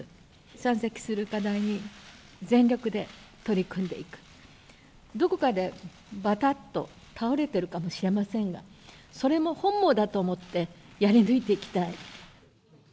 山積する課題に全力で取り組んでいく、どこかでばたっと倒れているかもしれませんが、それも本望だと思って、やり抜いていきたい。